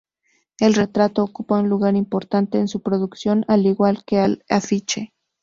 El retrato ocupa un lugar importante en su producción al igual que el afiche.